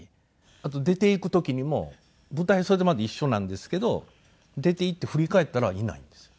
あと出て行く時にも舞台袖まで一緒なんですけど出て行って振り返ったらいないんですよ。